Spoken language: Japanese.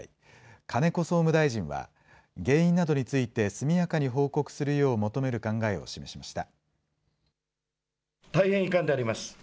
金子総務大臣は、原因などについて、速やかに報告するよう求める考えを示しました。